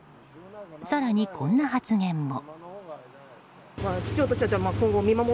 更に、こんな発言も。